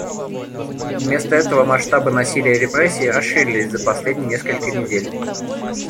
Вместо этого масштабы насилия и репрессий расшились за последние несколько недель.